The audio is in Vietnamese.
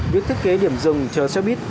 việc thiết kế điểm dừng chở xe buýt